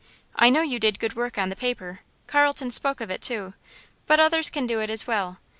I know you did good work on the paper Carlton spoke of it, too but others can do it as well.